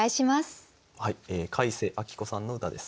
海瀬安紀子さんの歌です。